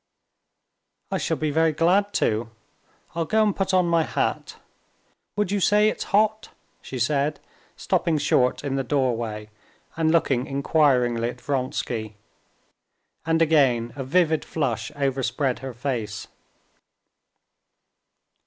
"I shall be very glad to; I'll go and put on my hat. Would you say it's hot?" she said, stopping short in the doorway and looking inquiringly at Vronsky. And again a vivid flush overspread her face.